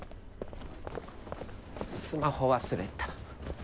スマホ忘れた。